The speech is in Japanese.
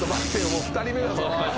もう２人目だぞ。